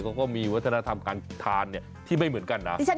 เขาก็มีวัฒนธรรมการทานที่ไม่เหมือนกันนะ